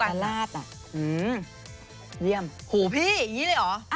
ลาดอ่ะเยี่ยมหูพี่อย่างนี้เลยเหรอ